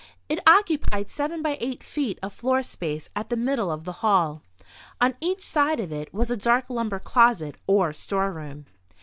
It occupied 7×8 feet of floor space at the middle of the hall. On each side of it was a dark lumber closet or storeroom.